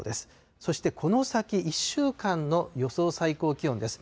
そしてこの先１週間の予想最高気温です。